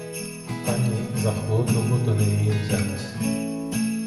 Ані за холодну воду не вмію взятись!